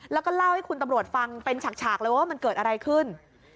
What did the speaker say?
แล้วก็เล่าให้คุณตำรวจฟังเป็นฉากเลยว่ามันเกิดอะไรขึ้น